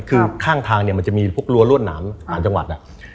ข้างทางมันจะมีพวกรัวรวดหนามต่างจังหวัด